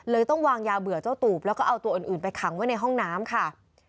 ต้องวางยาเบื่อเจ้าตูบแล้วก็เอาตัวอื่นไปขังไว้ในห้องน้ำค่ะ